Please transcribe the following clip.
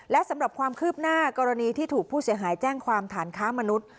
และสำหรับความคืบหน้ากรณีที่ถูกผู้เสียหายแจ้งความฐานค้ามนุษย์